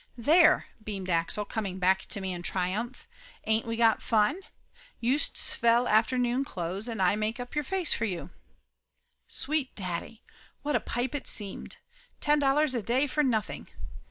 "There!" beamed Axel, coming back to me in tri umph. "Ain't we got fun? Youst svell afternoon clothes and aye make up your face for you!" Sweet daddy ! What a pipe it seemed. Ten dollars a day for nothing!